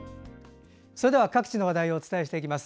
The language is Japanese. それでは各地の話題をお伝えしていきます。